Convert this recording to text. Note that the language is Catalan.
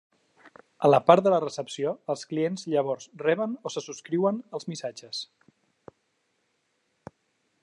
A la part de la recepció, els clients llavors reben o se subscriuen als missatges.